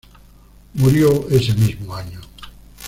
Murió ese mismo año.